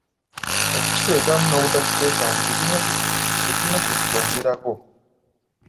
Okukiteekmu n'obutakiteekamu tekirina kye ki kwongerako.